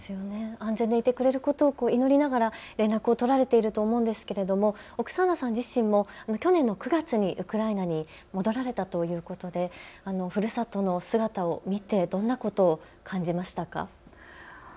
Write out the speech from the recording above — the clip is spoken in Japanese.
安全でいてくれることを祈りながら連絡を取られていると思うんですけれどもオクサーナさん自身も去年の９月にウクライナに戻られたということでふるさとの姿を見てどんなことを感じましたか。